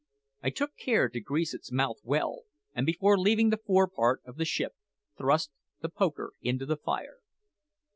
I took care to grease its mouth well, and before leaving the fore part of the ship, thrust the poker into the fire.